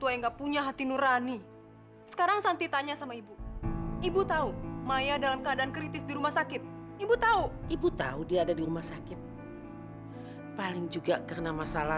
yang hanya mengharapkan harta saya